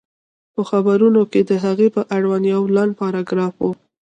په خبرونو کې د هغې په اړه يو لنډ پاراګراف و